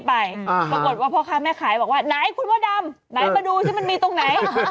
ปรากฏว่าพ่อค้าแม่ขายบอกว่าไหนคุณพ่อดำไหนมาดูสิมันมีตรงไหน